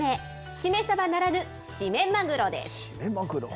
シメサバならぬ、シメマグロです。